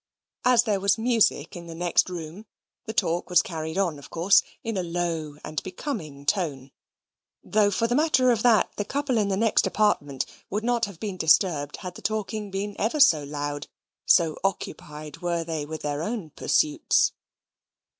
As there was music in the next room, the talk was carried on, of course, in a low and becoming tone, though, for the matter of that, the couple in the next apartment would not have been disturbed had the talking been ever so loud, so occupied were they with their own pursuits.